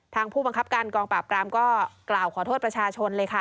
ผู้บังคับการกองปราบปรามก็กล่าวขอโทษประชาชนเลยค่ะ